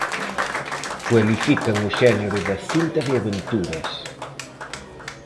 Cualifican o xénero da cinta de aventuras.